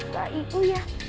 tak ibu ya